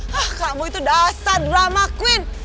hah kamu itu dasar drama queen